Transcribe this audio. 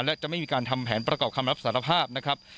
และจะไม่มีการทำแผนประกอบคำรับสารภาพนะครับ